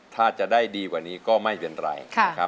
ถ้าจะได้ดีกว่านี้ก็ไม่เวียนไร